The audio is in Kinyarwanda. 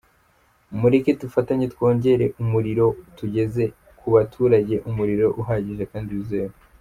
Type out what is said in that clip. Mureke dufatanye twongere umuriro, tugeze ku baturage umuriro uhagije kandi wizewe.